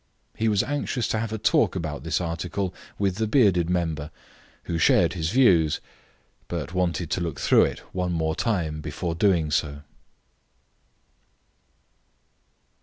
He was anxious to have a talk about this article with the bearded member, who shared his views, but wanted to look through it once more before doing so.